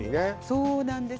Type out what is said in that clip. そうなんですよ